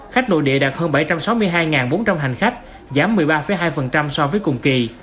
khách nội địa đạt hơn bảy trăm sáu mươi hai bốn trăm linh hành khách giảm một mươi ba hai so với cùng kỳ